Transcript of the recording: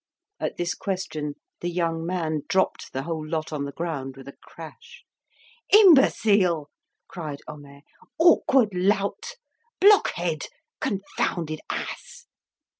At this question the young man dropped the whole lot on the ground with a crash. "Imbecile!" cried Homais, "awkward lout! block head! confounded ass!"